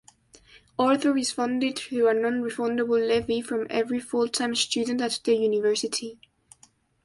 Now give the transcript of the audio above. "Arthur" is funded through a non-refundable levy from every full-time student at the university.